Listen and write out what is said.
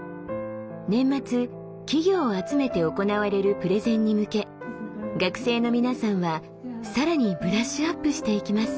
年末企業を集めて行われるプレゼンに向け学生の皆さんは更にブラッシュアップしていきます。